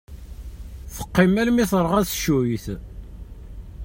Teqqim armi terɣa teccuyt.